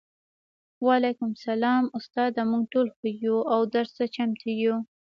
وعلیکم السلام استاده موږ ټول ښه یو او درس ته چمتو یو